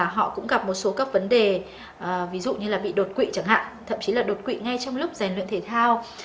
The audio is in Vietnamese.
họ cũng gặp một số các vấn đề ví dụ như là bị đột quỵ chẳng hạn thậm chí là đột quỵ ngay trong lúc rèn luyện thể thao